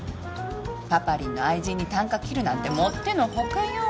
パパリンの愛人にたんか切るなんてもっての外よ。